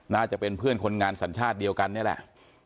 น่าจะเป็นเพื่อนคนงานสัญชาติเดียวกันนี่แหละ